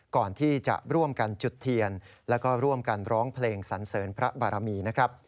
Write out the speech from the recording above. ก่อนที่จะร่วมกันจุดเทียนและร่องเพลงสันเสริญพระบารมี